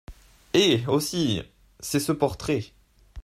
Eh ! aussi, c’est ce portrait !